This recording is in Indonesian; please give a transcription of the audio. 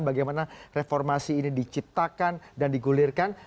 bagaimana reformasi ini diciptakan dan digulirkan